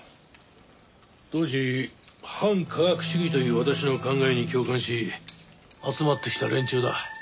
当時反科学主義という私の考えに共感し集まってきた連中だ。